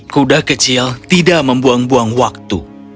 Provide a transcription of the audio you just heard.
kuda kecil tidak membuang buang waktu